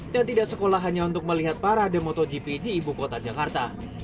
dan tidak sekolah hanya untuk melihat para de motogp di ibu kota jakarta